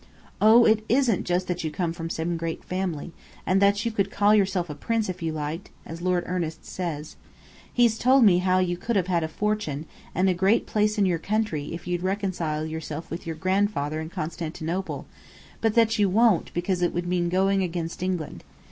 Oh, it isn't just that you come from some great family, and that you could call yourself a prince if you liked, as Lord Ernest says. He's told me how you could have a fortune, and a great place in your country if you'd reconcile yourself with your grandfather in Constantinople; but that you won't, because it would mean going against England.